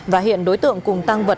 và hiện đối tượng cùng tăng vật